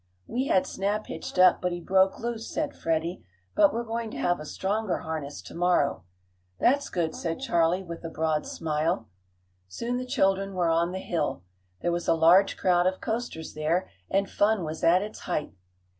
"We had Snap hitched up, but he broke loose," said Freddie. "But we're going to have a stronger harness to morrow." "That's good," said Charley, with a broad smile. Soon the children were on the hill. There was a large crowd of coasters there, and fun was at its height.